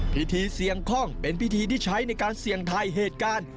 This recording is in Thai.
พิธีเสี่ยงคล่องเป็นพิธีที่ใช้ในการเสี่ยงทายเหตุการณ์